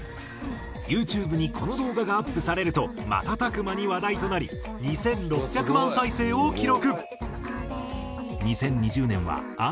ユーチューブにこの動画がアップされると瞬く間に話題となり２６００万再生を記録。